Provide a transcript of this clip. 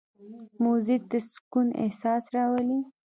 موزیک د سکون احساس راولي.